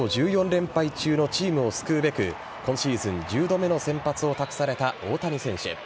連敗中のチームを救うべく今シーズン１０度目の先発を託された大谷選手。